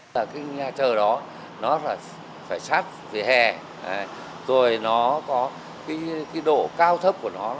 cái nhà chờ đó nó phải sát về hè rồi nó có cái độ cao thấp của nó